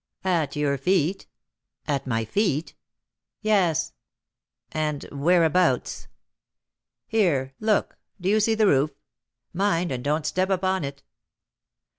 "At your feet." "At my feet?" "Yes." "And whereabouts?" "Here, look; do you see the roof? Mind, and don't step upon it."